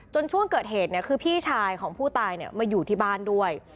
จนช่วงเกิดเหตุเนี่ยคือพี่ชายของผู้ตายเนี่ยมาอยู่ที่บ้านด้วย